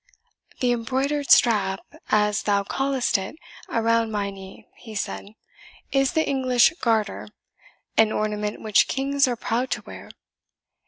"The embroidered strap, as thou callest it, around my knee," he said, "is the English Garter, an ornament which kings are proud to wear.